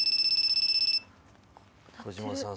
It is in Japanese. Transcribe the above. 小島さん